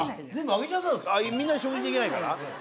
あっみんなで食事できないから？